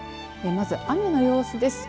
まず、雨の様子です。